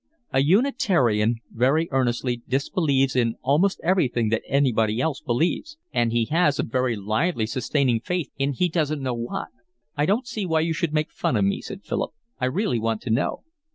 "A Unitarian very earnestly disbelieves in almost everything that anybody else believes, and he has a very lively sustaining faith in he doesn't quite know what." "I don't see why you should make fun of me," said Philip. "I really want to know."